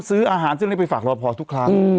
ซื้ออาหารซึ่งอะไรไปฝากรัวพอทุกครั้ง